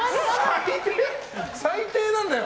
最低なんだよ。